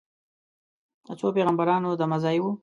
د څو پیغمبرانو دمه ځای و.